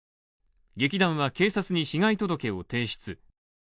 劇団は警察に被害届を提出。